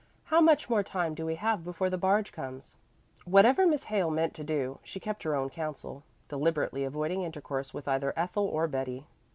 "How much more time do we have before the barge comes?" Whatever Miss Hale meant to do, she kept her own counsel, deliberately avoiding intercourse with either Ethel or Betty.